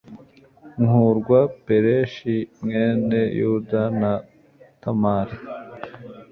nk'urwa pereshi mwene yuda na tamara